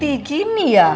merah putih gini ya